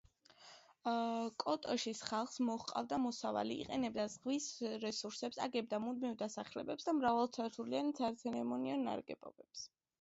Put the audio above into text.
კოტოშის ხალხს მოჰყავდა მოსავალი, იყენებდა ზღვის რესურსებს, აგებდა მუდმივ დასახლებებს და მრავალსართულიან საცერემონიო ნაგებობებს.